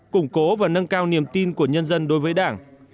củng cố và nâng cao niềm tin của nhân dân đối với đảng